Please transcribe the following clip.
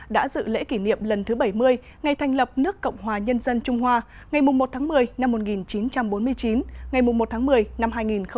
đã dự lễ kỷ niệm lần thứ bảy mươi ngày thành lập nước cộng hòa nhân dân trung hoa ngày một tháng một mươi năm một nghìn chín trăm bốn mươi chín ngày một tháng một mươi năm hai nghìn một mươi chín